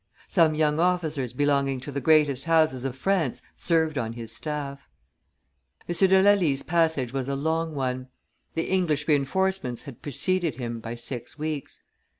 Some young officers belonging to the greatest houses of France served on his staff. M. de Lally's passage was a long one; the English re enforcements had preceded, him by six weeks.